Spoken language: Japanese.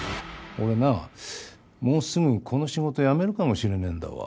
俺なもうすぐこの仕事辞めるかもしれねえんだわ。